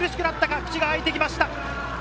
口が開いてきました。